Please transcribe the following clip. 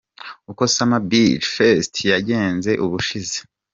Uko Summer Beach Fest yagenze ubushize:.